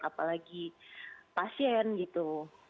apalagi pasien gitu